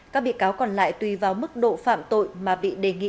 các bị cáo còn lại tùy vào mức độ phạm tội mà bị đề nghị